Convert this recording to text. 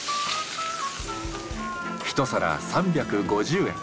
一皿３５０円。